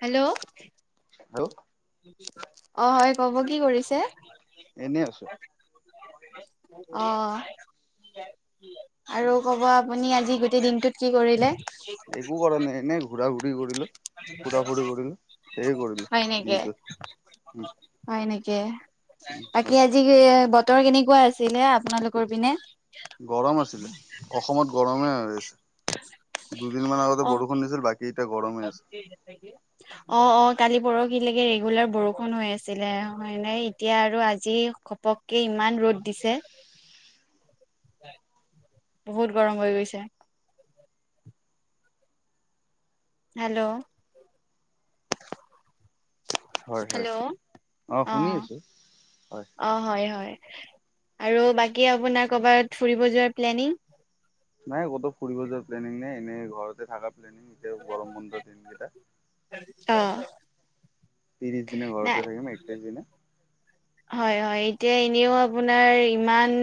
Hello! Hello! অ এ কব কি কৰিছে? এনেই আছো। অ', আৰু ক'ব আ আপুনি আজি গোটেই দিনটোত কি কৰিলে? একো কৰা নাই এনেই ঘূৰা ঘূৰি কৰিলো ফুৰা ফুৰি কৰিলো সেই কৰিলো হয় নেকি দিনটোত। উম হয় নেকি? উম বাকী হয় আ জি বতৰ কেনেকুৱা আছিলে আপোনালোকৰ পিনে? গৰম আছিলে, অসমত গৰমে হৈ আছে দুদিন মান আগতে অ বৰষুণ দিছিল বাকী এতিয়া গৰমে আছে [unintelligible] অ' অ' কালি পৰহিলৈকে ৰেগুলাৰ বৰষুণ হৈ আছিলে হয় নাই এতিয়া আৰু আজি ঘপককে ইমান ৰ'দ দিছে। বহুত গৰম হৈ গৈছে। হেল্ল'! হয় হয় হেল্ল'! অ শুনি অঁ। আছো হয়। অঁ হয় হয়, আৰু বাকী আপোনাৰ ক'ৰবাত ফুৰিব যোৱাৰ প্লেনিং? নাই ক'তো ফুৰিব যোৱাৰ প্লেনিং নাই এনেই ঘৰতে থাকা প্লেনিং। তেও গৰম বন্ধ দিনকেইটা। অ ত্ৰিশ দিনে নাই ঘৰতে থাকিম একত্ৰিশ দিনে। হয় হয়, এতিয়া এনেও আপোনাৰ ইমান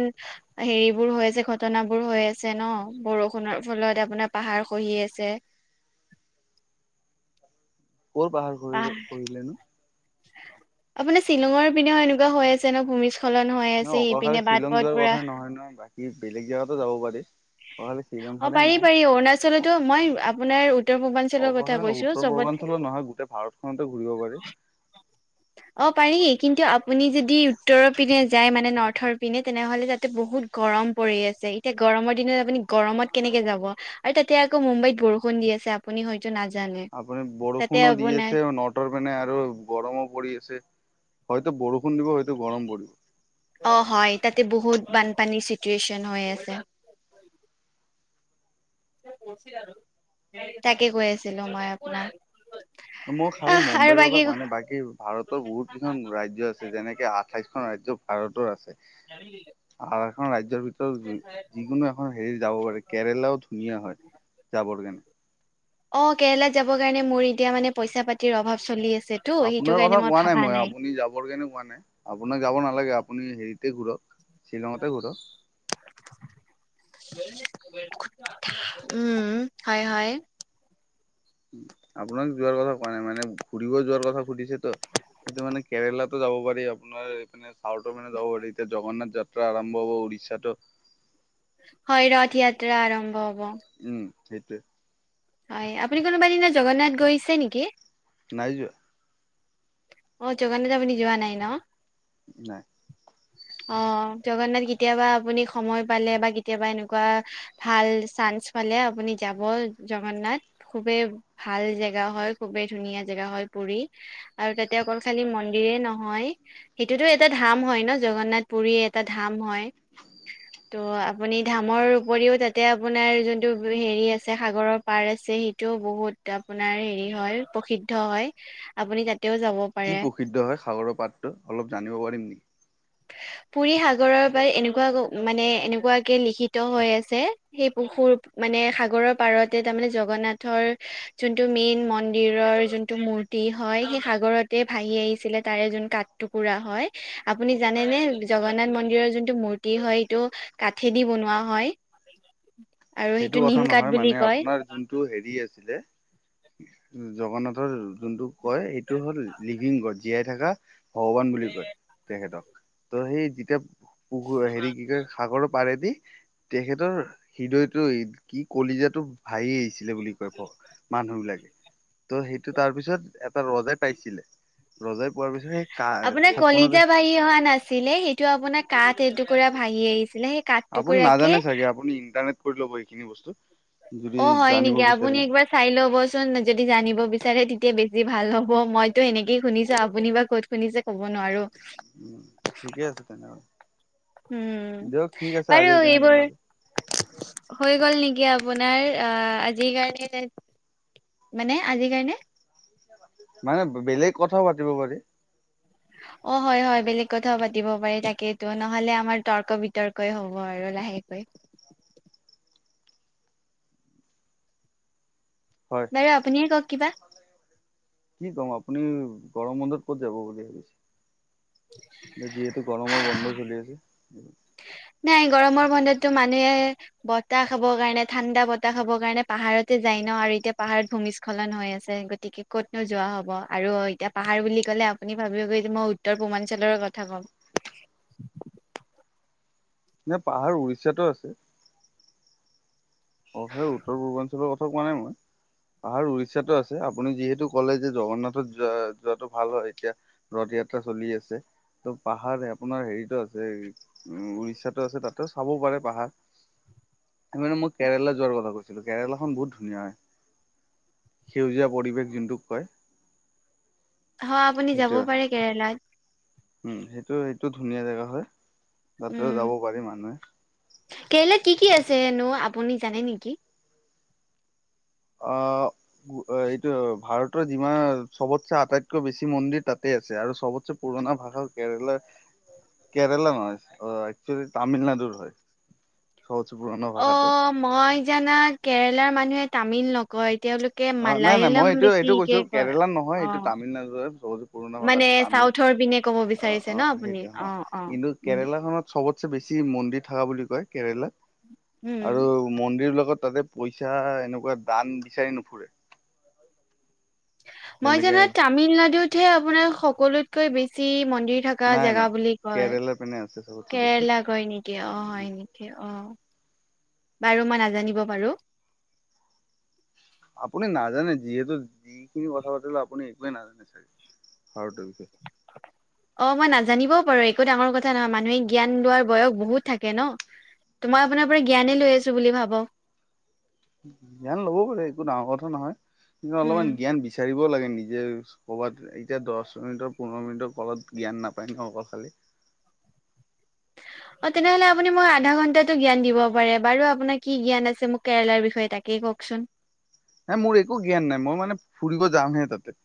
হেৰিবোৰ হৈ আছে ঘটনাবোৰ হৈ আছে ন বৰষুণৰ ফলত আপোনাৰ পাহাৰ খহি আছে বৰ ভাল আহ আপোনাৰ শ্বিলঙৰ পিনে এনেকুৱা হৈ আছে ন ভূমি স্খলন হয়। ন অকল খালি শ্বিলং যোৱাৰ কথাই নহয় নহয় বাকী বেলেগ জেগাতো যাব পাৰি অ খালি শ্বিলং অ' পাৰি পাৰি অৰুণাচলতো মই আপোনাৰ উত্তৰ পূৰ্বাঞ্চলৰ অকল কথা কৈছো উত্তৰ চব পূৰ্বাঞ্চলত নহয় গোটেই ভাৰতখনতে ঘূৰিব পাৰি। অ' পাৰি কিন্তু আপুনি যদি উত্তৰৰ পিনে যায় মানে নৰ্থৰ পিনে তেনেহলে তাতে বহুত গৰম পৰি আছে এতিয়া গৰমৰ দিনত আপুনি গৰমত কেনেকে যাব আৰু তাতে আকৌ মুম্বাইত বৰষুণ দি আছে আপুনি হয় -তো নাজানে আপুনি তাতে বৰষুণো দি আপোনাৰ আছে আৰু নট টৰ কাৰণে আৰু গৰমো পৰি আছে হয়তো বৰষুণ দিব হয়তো গৰম পৰিব অ হয় তাতে বহুত বানপানীৰ চিটুৱেচন হৈ আছে তাকে কৈ আছিলো মই আপোনাক মই খালি আহ আৰু মুম্বাইৰ বাকী কথা কোৱা নাই বাকী ভাৰতৰ বহুত কেইখন ৰাজ্য আছে যেনেকে আঠাইশখন ৰাজ্য ভাৰতৰ আছে গালি দিলে আৰু এখন ৰাজ্যৰ ভিতৰত যি যিকোনো এখ অ হেৰি যাব পাৰে কেৰেলাও ধুনীয়া হয় যাবৰ কাৰণে অ কেৰেলাত যাবৰ কাৰণে মোৰ এতিয়া মানে পইচা পাতিৰ অভাৱ চলি আছে আপোনাৰ কথা কোৱা নাই মই আপুনি যাবৰ কাৰণে কোৱা নাই আপোনাক যাব নালাগে আপুনি হেৰিতে ঘুৰক শ্বিলঙতে ঘুৰক উম হয় হয় আপোনাক যোৱাৰ কথা কোৱা নাই মানে ঘুৰিব যোৱাৰ কথা সুধিছে ত' সেইটো মানে কেৰেলাতো যাব পাৰি আপোনাৰ এইপিনে ভাৰতৰ মানে যাব পাৰি এতিয়া জগন্নাথ যাত্ৰা আৰম্ভ হব উৰিষ্যাতো হয় ৰথ য়াত্ৰা আৰম্ভ হব উম সেইটোৱে হয় আপুনি কোনোবা দিনা জগন্নাথ গৈছে নিকি? নাই যোৱা অ জগন্নাথ আপুনি যোৱা নাই ন নাই অ জগন্নাথ কেতিয়াবা আপুনি সময় পালে বা কেতিয়াবা এনেকুৱা ভাল চান্স পালে আপুনি যাব জগন্নাথ খুবেই ভাল জেগা হয় খুবেই ধুনীয়া জেগা হয় পুৰী আৰু তাত তে অকল খালি মন্দিৰে নহয় সেইটোতো এটা ধাম হয় ন জগন্নাথ পুৰী এটা ধাম হয় ত' আপুনি ধামৰ উপৰিও তাতে আপোনাৰ যোনটো হেৰি আছে সাগৰৰ পাৰ আছে সেইটোও বহুত আপোনাৰ হেৰি হয় প্ৰসিদ্ধ হয় আপুনি তাতেও যাব কি পাৰে প্ৰসিদ্ধ হয় সাগৰৰ পাৰটো অলপ জানিব পাৰিম নি? পুৰী সাগৰৰ পাৰ এনেকুৱা মানে এনেকুৱাকে লিখিত হৈ আছে সেই পশুৰ মানে সাগৰৰ পাৰতে তাৰমানে জগন্নাথৰ যোনটো মেইন মন্দিৰৰ যোন টো মূৰ্তি হয় সেই সাগৰতে ভাহি আহিছিলে তাৰে যোন কাঠ টুকুৰা হয় আপুনি জান যানে নে জগন্নাথ মন্দিৰৰ যোনটো মূৰ্তি হয় এইটো কাঠেদি বনোৱা হয় [unintelligible] সেইটো কথা নিম কাঠ নহয় বুলি মানে কয় আপোনাৰ যোন টো হেৰি আছিলে জগন্নাথৰ যোনটো কয় এইটো হ'ল লিভিং গড জীয়াই থাকা ভগৱান বুলি কয় তেখেতক ত সেই যেতিয়া পুহো হেৰি কি কয় সাগৰ পাৰেদি তেখেতৰ হৃদয়ত কি কলিজাটো ভাহি আহিছিলে বুলি কয় ক মানুহ বিলাকে ত' সেইটো তাৰ পিছত এটা ৰজাই পাইছিলে ৰজাই পোৱাৰ পিছতহে কাৰ সপোনতে উটি অহা নাছিলে সেইটো আপোনাৰ কাঠ এটুকুৰা ভাাহি আহিছিলে সেই কাঠ আপুনি টুকুৰাকে নাজানে চাগে আপুনি ইণ্টাৰনেট কৰি ল'ব এইখিনি বস্তু যদি অ হয় জানিব নেকি আপুনি বিচাৰে একবাৰ চাই লবচোন যদি জানিব বিচাৰে তেতিয়া বেছি ভাল হ'ব মইতো এনেকেই শুনিছো আপুনি বা ক'ত শুনিছে ক'ব নোৱাৰো। উম ঠিকে আছে তেনেহলে উম দিয়ক ঠিক আছে বাৰু আজিৰ কাৰণে এইবোৰ তেনেহ'লে হৈ গ'ল নেকি আপোনাৰ আহ আজিৰ কাৰণে তাত মানে আজিৰ কাৰণে মানে বেলেগ কথাও পাতিব পাৰি। অ হয় হয় বেলেগ কথাও পাতিব পাৰি তাকেইতো নহ'লে আমাৰ তৰ্ক বিতৰ্ক কয় হ'ব আৰু লাহেকৈ। হয় এ আপুনিয়ে কওক কিবা কি ক'ম আপুনি গৰম বন্ধত ক'ত যাব বুলি ভাবিছে যিহেতু গৰমৰ বন্ধ চলি আছে। নাই গৰমৰ বন্ধতটো মানুহে বতাহ খাবৰ কাৰণে ঠাণ্ডা বতাহ খাবৰ কাৰণে পাহাৰতে যাই ন আৰু এতিয়া পাহাৰত ভূমিস্খলন হৈ আছে গ- গতিকে ক'তনো যোৱা হ'ব আৰু এতিয়া পাহাৰ বুলি ক'লে আপুনি ভাবিব এতিয়া মই উত্তৰ পূৰ্বাঞ্চলৰ কথা ক'ম নে পাহাৰ উৰিষ্যাতো আছে। অ সেই উত্তৰ পূৰ্বাঞ্চলৰ কথা কোৱা নাই মই। পাহাৰ উৰিষ্যাতোআছে আপুনি যিহেতু ক'লে যে জগন্নাথত যোৱা যোৱাটো ভাল হয় এতিয়া ৰথয়াত্ৰা চলি আছে ত' পাহাৰ আপোনাৰ হেৰিতো আছে এই উম উৰিষ্যাতো আছে তাতো চাব পাৰে পাহাৰ সেই মানে মই কেৰেলা যোৱাৰ কথা কৈছিলোঁ কেৰেলাখন বহুত ধুনীয়া হয়। সেউজীয়া পৰিৱেশ যোনটোক কয়। হয় আপুনি যাব সেইটোৱে পাৰে কেৰেলাত। উম সেইটো সেইটো ধুনীয়া জেগা হয় তাতেও উম যাব পাৰি মানুহে। কেৰেলাত কি কি আছে নো আপুনি জানে নেকি অ অ এইটো ভাৰতৰ যিমান চবতচে আটাইতকৈ বেছি মন্দিৰ তাতে আছে আৰু চবতছে পুৰণা ভাষা কেৰেলাৰ কেৰেলা নহয় অ একচুৱেলি তামিলনাডুৰ হয় সহজ পুৰণা অ ভাষাটো। মই জানাত কেৰেলাৰ মানুহে তামিল নকয় তেওঁলোকে অ নাই নাই মই মালায়ালম এইটোয়ে এইটো বেছিকে কৈছো কয় কেৰেলাত নহয় অ এইটো তামিলনাডুৰহে [unintelligible] পুৰণা ভাষাত মানে তামিল চাউথৰ পিনে ক'ব অ বিচাৰিছে অ ন আপুনি সেইটো হ অ অ কিন্তু উম কেৰেলাখনত, চবতছে বেছি মন্দিৰ থকা বুলি কয় কেৰেলাত উম আৰু মন্দিৰ বিলাকত তাতে পইচা এনেকুৱা দান বিচাৰি নুফুৰে। মই যেনেকে জানাত তামিলনাডুতহে আপোনাৰ সকলোতকৈ বেছি মন্দিৰ থকা নাই জেগা নাই বুলি কয় কেৰেলা পিনে আছে চবতছে বেছি কেৰেলা কয় নেকি অ হয় নেকি হে অ বাৰু মই নাজানিব পাৰো আপুনি নাজানে যিহেতু যিখিনি কথা পাতিলো আপুনি একোৱে নাজানে ছাগে আৰু [unintelligible] [unintelligible] অ মই নাজানিবও পাৰো একো ডাঙৰ কথা নহয় মানুহে জ্ঞান লোৱাৰ বয়স বহুত থাকে ন তো মই আপোনাৰ পৰা জ্ঞানে লৈ আছো বুলি ভাৱক। জ্ঞান লব পাৰে একো ডাঙৰ কথা নহয় কিন্তু উম। অলপমান জ্ঞান বিচাৰিবও লাগে নিজ- যে ক'ৰবাত এতিয়া দহ মিনিটৰ, পোন্ধৰ মিনিটৰ ফলত জ্ঞান নাপায় ন অকল খালী [unintelligible] অ, তেনেহ'লে আপুনি মোক আধা ঘণ্টাতো জ্ঞান দিব পাৰে বাৰু! আপোনাৰ কি জ্ঞান আছে, মোক কেৰেলাৰ বিষয়ে তাকেই কওকচোন। নাই মোৰ একো জ্ঞান নাই, মই মানে ফুৰিব যামহে তাতে।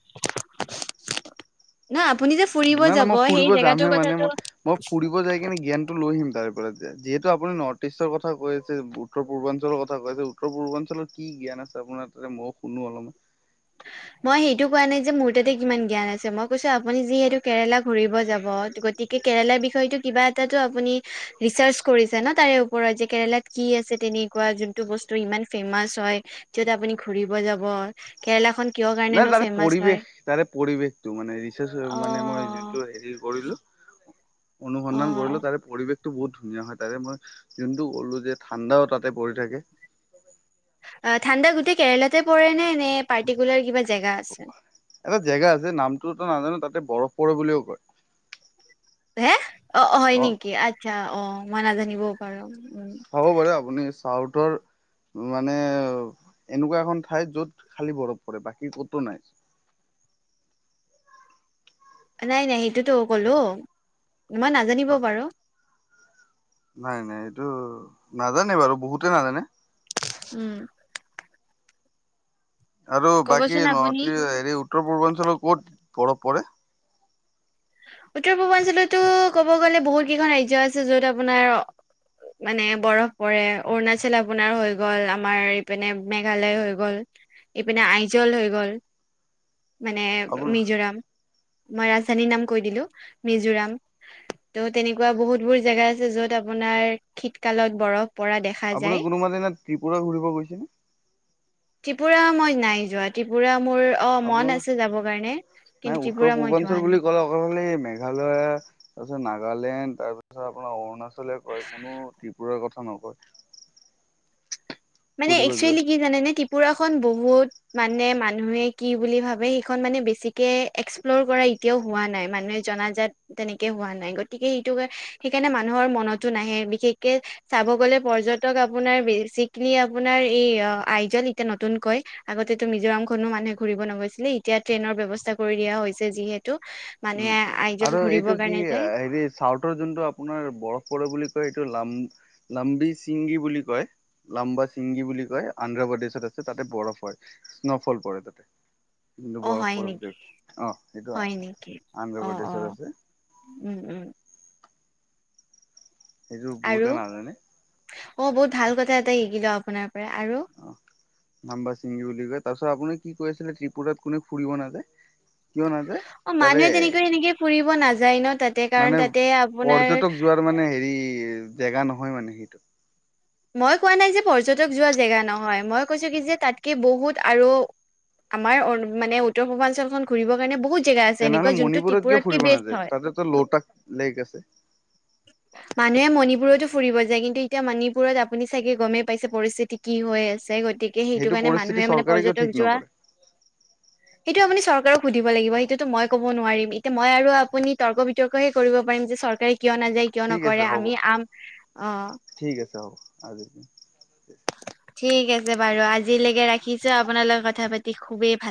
না আপুনি যে ফুৰিব নাই নাই যাব মই সেই ফুৰিব জেগাটোৰ যামহে, মানে কথাটো মই মই ফুৰিব যায় কিনে জ্ঞানটো লৈ আহিম তাৰে পৰা, যিহেতু আপুনি নৰ্থ ইষ্টৰ কথা কৈ আছে। উত্তৰ-পূৰ্বাঞ্চলৰ কথা কৈছে, উত্তৰ-পূৰ্বাঞ্চলত কি জ্ঞান আছে আপোনাৰ তাতে ময়ো শুনো আৰু। মই সেইটো কোৱা নাই যে মোৰ তাতে কিমান জ্ঞান আছে, মই কৈছো আপুনি যিহেতু কেৰেলা ঘূৰিব যাব, গতিকে কেৰেলাৰ বিষয়টো কিবা এটাটো আপুনি ৰিচাৰ্চ কৰিছে ন! তাৰে ওপৰত যে কেৰেলাত কি আছে তেনেকুৱা য টো বস্তু ইমান ফেমাচ হয়, যত আপুনি ঘুৰিব যাব। কেৰেলাখন কিয় নাই কাৰণেনো তাৰে ফেমাচ হয় পৰিৱেশ তাৰে পৰিৱেশটো মানে ৰিচাৰ্চ অ মানে মই যোনটো হেৰি কৰিলো অ অনুসন্ধান কৰিলো তাৰে পৰিৱেশটো বহুত ধুনীয়া হয়, তাৰে মই যোনটো ক'লো যে ঠাণ্ডাও তাতে পৰি থাকে। অঁ, ঠাণ্ডা গোটেই কেৰেলাতে পৰে নে, নে পাৰ্টিকুলাৰ কিবা জেগা আছে? এটা জেগা আছে নামটোতো নাজানো, তাতে বৰফ পৰে বুলিও কয়। হে, অ হয় নেকি? আচ্ছা অ মই নাজানিবও পাৰো। হব পাৰে, আপুনি চাউথৰ উ মানে এনেকুৱা এখন ঠাই য'ত খালী বৰফ পৰে, বাকী কতো নাই। নাই নাই, সেইটোতো ক'লোঁ- মই নাজানিবও হয় পাৰোঁ। নাই নাই, এইটো নাজানে বাৰু-বহুতে নাজানে। উম। আৰু বাকী ক'বচোন আপুনি নৰ্থ-ই হেৰি উত্তৰ-পূৰ্বাঞ্চলৰ ক'ত বৰফ পৰে? উত্তৰ-পূৰ্বাঞ্চলতো ক'ব গ'লে বহুত কেইখন ৰাজ্য আছে য'ত আপোনাৰ মানে বৰফ পৰে, অৰুণাচল আপোনাৰ হৈ গ'ল, আমাৰ এইপিনে মেঘালয় হৈ গ'ল। এইপিনে আইজল হৈ গ'ল। মানে আপোনাৰ মিজোৰাম মই ৰাজধানীৰ নাম কৈ দিলো মিজোৰাম। ত' তেনেকুৱা বহুত বোৰ জেগা আছে, য'ত আপোনাৰ শীতকালত বৰফ পৰা দেখা আপুনি যায় কোনোবা দিনা ত্ৰিপুৰা ঘূৰিব গৈছেনে? ত্ৰিপুৰা মই নাই যোৱাত। ত্ৰিপুৰা মোৰ অ মন আপোনালোক আছে যাবৰ কাৰণে, নাই কিন্তু উত্তৰ ত্ৰিপুৰা মই যোৱা নাই। [unintelligible] মেঘালয়, তাৰপিছত নাগালেণ্ড, তাৰপিছত আপোনাৰ অৰুণাচল। কয়, কোনো ত্ৰিপুৰাৰ কথা নকয়। মানে ফুৰিব যোৱা একচুৱেলি কি জানেনে? ত্ৰিপুৰাখন বহুত মানে, মানুহে কি বুলি ভাবে সেইখন মানে বেছিকে এক্সপ্ল'ৰ কৰা এতিয়াও হোৱা নাই। মানুহে জনাজাত তেনেকে হোৱা নাই, গতিকে সেইটো কাৰ সেইকাৰণে মানুহৰ মনতো নাহে, বিশেষকে চাব গলে পৰ্যটক আপোনাৰ বেছিক খিনি আপোনাৰ এই আইজল এতিয়া নতুনকৈ আগতেটো মিজোৰামখনো মানুহে ঘূৰিব নগৈছিলে, এতিয়া ট্ৰেইনৰ ব্যৱস্থা কৰি দিয়া হৈছে। যিহেতু, উম মানুহে আইজল আৰু এইটো ঘুৰিবৰ কি কাৰণে যায়। হেৰি চাউথৰ যোনটো আপোনাৰ বৰফ পৰে বুলি কয় এইটো লাম-লাম্বি-ছিংগি বুলি কয়। লাম্বা-ছিংগি বুলি কয়, অন্ধ্ৰপ্ৰদেশত আছে। তাতে বৰফ হয়, স্ন'ফল পৰে তাতে। দিনতো অ বৰফ হয় পৰক নেকি দে হয় নেকি অ অ প্ৰদেশত আছে উম উম সেইটো আৰু বহুতে নাজানে অ বহুত ভাল কথা এটা শিকিলো আপোনাৰ পৰা আৰু অ নাম্বাচিংগী বুলি কয় তাৰপাছত আপুনি কি কৈ আছিলে ত্ৰিপুৰাত কোনে ফুৰিব নাযায় কিয় নাযায় অ তাৰে মানুহে তেনেকৈ সেনেকে ফুৰিব নাযায় ন তাতে কাৰণ মানে তাতে আপোনাৰ পৰ্যটক যোৱাৰ মানে হেৰি জেগা নহয় মানে সেইটো মই কোৱা নাই যে পৰ্যটক যোৱা জেগা নহয় মই কৈছো কি যে তাতকে বহুত আৰু আমাৰ মানে উত্তৰ পূৰ্বাঞ্চলখন ঘূৰিব কাৰণে বহুত জেগা আছে তেনেহলে এনেকুৱা যোনটো মণিপুৰত কিয় ত্ৰিপুৰাতকে ফুৰিব বেষ্ট নাযায় হয় তাতে তো লৌত লেক আছে মানে মণিপুৰতো ফুৰিব যায় কিন্তু এতিয়া মণি পুৰত আপুনি চাগে গমেই পাইছে পৰিস্থিতি কি হৈ আছে গতিকে গতিকে সেইটো কাৰণে মানুহে পৰিস্থিতি মানে চৰকাৰে কিয় পৰ্যটক ঠিক যোৱা নকৰে সেইটো আপুনি চৰকাৰক সুধিব লাগিব সেইটোতো মই ক'ব নোৱাৰিম এতিয়া মই আৰু আপুনি তৰ্ক বিতৰ্ক হে কৰিব পাৰিম যে চৰ চৰকাৰে কিয় নাযায় কিয় ঠিক আছে নকৰে হ'ব আমি আম অ ঠিক আছে হব আজি ঠিক আছে বাৰু আজিলৈকে ৰাখিছো আপোনাৰ লগত কথা পাতি খুবেই ভাল